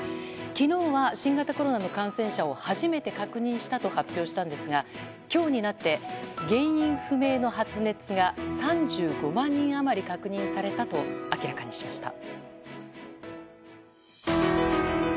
昨日は新型コロナの感染者を初めて確認したと発表したんですが今日になって原因不明の発熱が３５万人余り確認されたと明らかにしました。